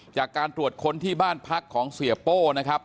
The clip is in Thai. จากการตรวจค้นที่บ้านพักของเสียโป้นะครับ